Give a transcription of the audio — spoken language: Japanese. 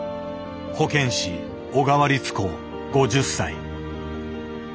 保健師小川理乙子５０歳。